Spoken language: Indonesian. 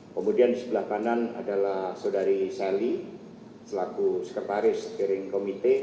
kemudian di sebelah kanan adalah saudari sally selaku sekretaris piring committee